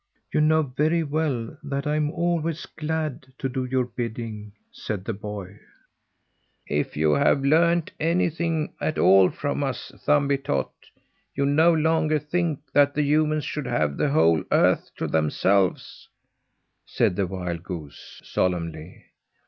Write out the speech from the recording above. "You know very well that I am always glad to do your bidding," said the boy. "If you have learned anything at all from us, Thumbietot, you no longer think that the humans should have the whole earth to themselves," said the wild goose, solemnly.